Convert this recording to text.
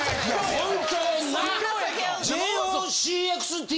本当にな。